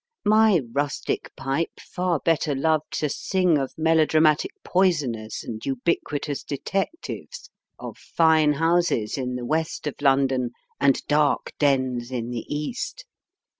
My rustic pipe far better loved to sing of melodramatic poisoners and ubiquitous detectives ; of fine houses in the West of London, and dark dens in the East.